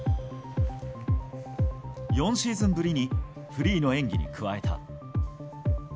４シーズンぶりにフリーの演技に加えた。